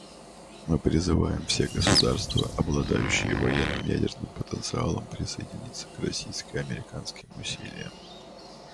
Мы призываем все государства, обладающие военным ядерным потенциалом, присоединиться к российско-американским усилиям.